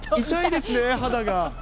痛いですね、肌が。